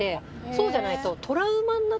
そうじゃないと。